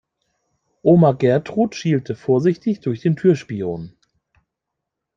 Oma Gertrud schielte vorsichtig durch den Türspion.